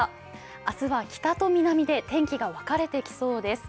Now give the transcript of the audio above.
明日は北と南で天気が分かれてきそうです。